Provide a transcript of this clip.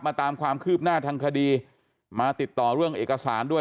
ตามความคืบหน้าทางคดีมาติดต่อเรื่องเอกสารด้วย